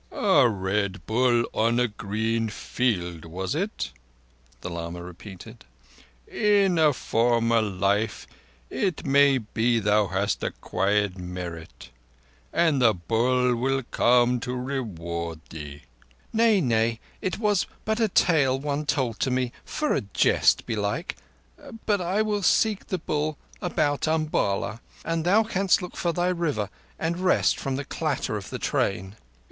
"A Red Bull on a green field, was it?" the lama repeated. "In a former life it may be thou hast acquired merit, and the Bull will come to reward thee." "Nay—nay—it was but a tale one told to me—for a jest belike. But I will seek the Bull about Umballa, and thou canst look for thy River and rest from the clatter of the train."